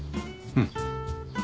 うん。